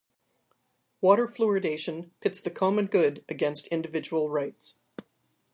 Water fluoridation pits the common good against individual rights.